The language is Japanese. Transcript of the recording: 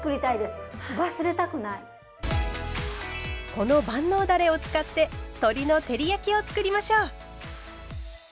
この万能だれを使って鶏の照り焼きをつくりましょう。